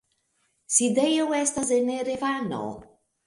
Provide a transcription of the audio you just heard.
Sidejo estas en Erevano.